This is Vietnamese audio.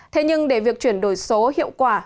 thế nhưng để việc chuyển đổi số hiệu quả